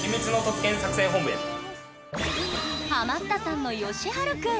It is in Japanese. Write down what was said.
ハマったさんのよしはる君。